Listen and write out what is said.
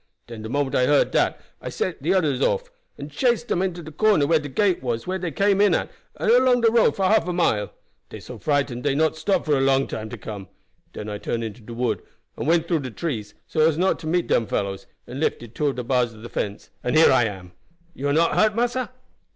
Den de moment I heard dat I set de oders off, and chased dem to de corner where de gate was where dey came in at, and along de road for half a mile; dey so frightened dey not stop for a long time to come. Den I turn into de wood and went through de trees, so as not to meet dem fellows, and lifted two of de bars of the fence, and here I am. You are not hurt, massa?"